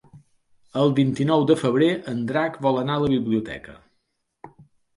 El vint-i-nou de febrer en Drac vol anar a la biblioteca.